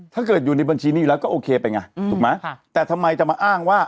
ถ้าเกิดอยู่ในบัญชีนี้อยู่แล้วก็โอเคไปไงถูกไหมแต่ทำไมจะมาอ้างว่า